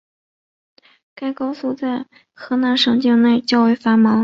该高速在河南省境内较为繁忙。